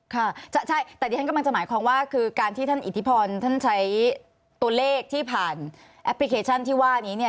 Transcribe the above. ค่ะใช่แต่ดิฉันกำลังจะหมายความว่าคือการที่ท่านอิทธิพรท่านใช้ตัวเลขที่ผ่านแอปพลิเคชันที่ว่านี้เนี่ย